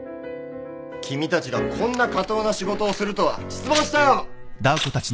君たちがこんな下等な仕事をするとは失望したよ！